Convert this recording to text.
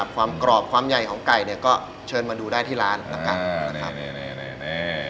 ความกรอบความใหญ่ของไก่ก็เชิญมาดูได้ที่ร้านนะครับ